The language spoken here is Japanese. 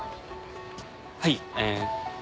はいえー